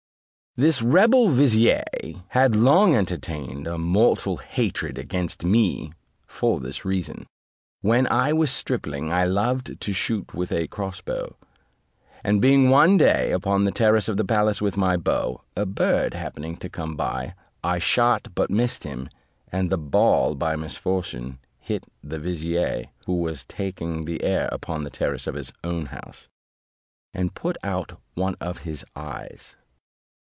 This rebel vizier, had long entertained a mortal hatred against me; for this reason. When I was a stripling, I loved to shoot with a cross bow; and being one day upon the terrace of the palace with my bow, a bird happening to come by, I shot but missed him, and the ball by misfortune hit the vizier, who was taking the air upon the terrace of his own house, and put out one of his eyes.